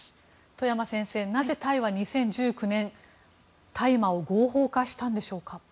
外山先生、なぜタイは２０１９年、大麻を合法化したんでしょうか？